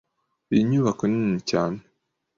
Iyi nyubako nini cyane.